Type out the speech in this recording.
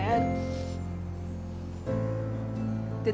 saya akan berhenti